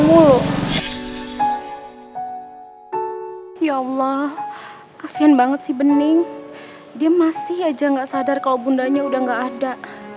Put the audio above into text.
ya allah kasian banget sih bening dia masih aja nggak sadar kalau bundanya udah gak ada